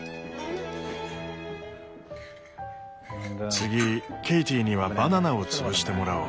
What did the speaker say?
次ケイティにはバナナを潰してもらおう。